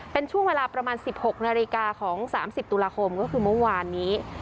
เป็นช่วงเวลาประมาณ๑๖นาฬิกาของ๓๐ตุลาคมก็คือเมื่อวานนี้